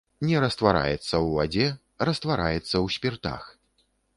Не раствараецца ў вадзе, раствараецца ў спіртах.